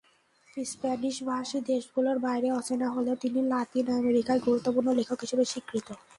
স্প্যানিশভাষী দেশগুলোর বাইরে অচেনা হলেও, তিনি লাতিন আমেরিকায় গুরুত্বপূর্ণ লেখক হিসেবে স্বীকৃত।